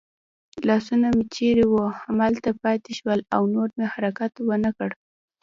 لاسونه مې چېرې وو همالته پاتې شول او نور مې حرکت ور نه کړ.